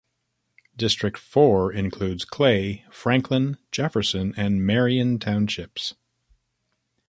District Four includes Clay, Franklin, Jefferson, and Marion Townships.